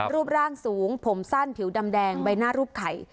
รูปร่างสูงผมสั้นผิวดำแดงใบหน้ารูปไข่